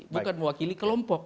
bukan mewakili kelompok